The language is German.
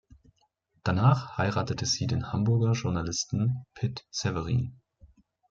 Danach heiratete sie den Hamburger Journalisten Pitt Severin.